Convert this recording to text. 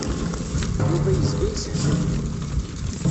Yuba yezga yeshetrif.